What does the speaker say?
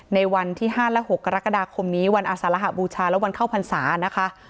ในวันที่๕และ๖กรกฎาคมนี้วันอาสารหบูชาและวันเข้าพรรษานะคะ